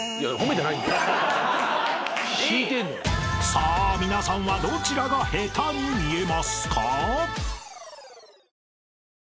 ［さあ皆さんはどちらが下手に見えますか！？］